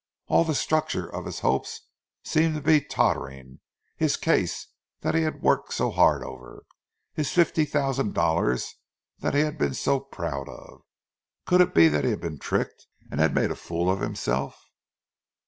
All the structure of his hopes seemed to be tottering; his case, that he had worked so hard over—his fifty thousand dollars that he had been so proud of! Could it be that he had been tricked, and had made a fool of himself?